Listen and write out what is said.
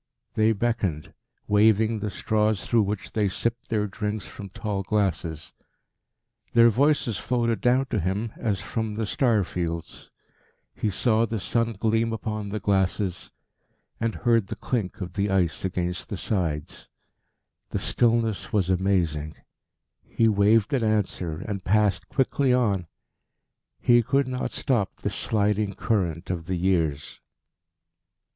They beckoned, waving the straws through which they sipped their drinks from tall glasses. Their voices floated down to him as from the star fields. He saw the sun gleam upon the glasses, and heard the clink of the ice against the sides. The stillness was amazing. He waved an answer, and passed quickly on. He could not stop this sliding current of the years.